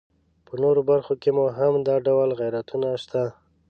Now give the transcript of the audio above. په نورو برخو کې مو هم دا ډول غیرتونه شته.